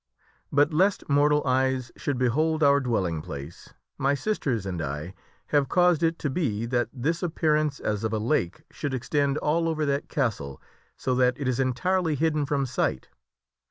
But, lest mortal eyes should behold our dwelling place, my sisters and I have caused it to be that this appearance as of a lake should extend all over that castle so that it is entirely hidden from sight.